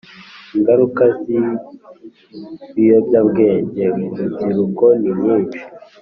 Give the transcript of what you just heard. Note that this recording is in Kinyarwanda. . Ingaruka z’ibiyobyabwenge mu rubyiruko ni nyinshi